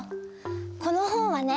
この本はね